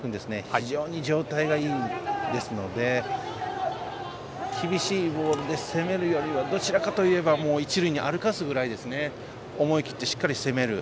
非常に状態がいいですので厳しいボールで攻めるよりはどちらかといえば一塁に歩かせるぐらい思い切ってしっかり攻める。